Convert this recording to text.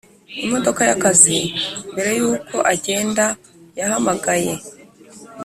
imodoka yakazi mbere yuko agenda yahamagaye